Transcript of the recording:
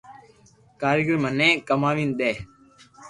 ڪريگر مني ڪماوين دي